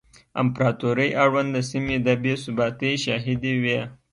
امپراتورۍ اړونده سیمې د بې ثباتۍ شاهدې وې